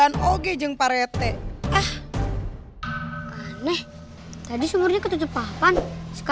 sampai jumpa di video selanjutnya